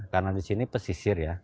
karena di sini pesisir ya